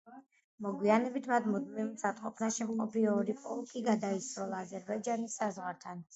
მოგვიანებით, მან მუდმივ მზადყოფნაში მყოფი ორი პოლკი გადაისროლა აზერბაიჯანის საზღვართან.